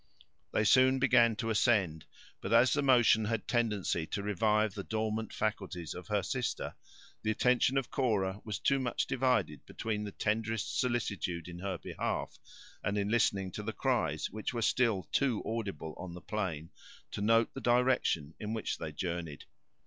They soon began to ascend; but as the motion had a tendency to revive the dormant faculties of her sister, the attention of Cora was too much divided between the tenderest solicitude in her behalf, and in listening to the cries which were still too audible on the plain, to note the direction in which they journeyed.